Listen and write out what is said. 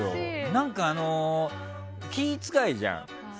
何か、気使いじゃん？